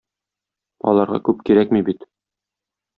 Аларга күп кирәкми бит.